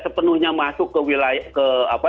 sepenuhnya masuk ke